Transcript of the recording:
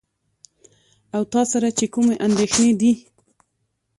او تاسره چې کومې اندېښنې دي .